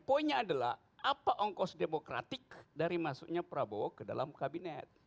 poinnya adalah apa ongkos demokratik dari masuknya prabowo ke dalam kabinet